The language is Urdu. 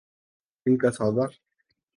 ان کا سودا؟